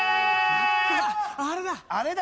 あれだ！